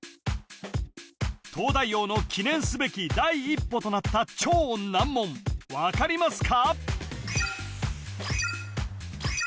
「東大王」の記念すべき第一歩となった超難問分かりますか？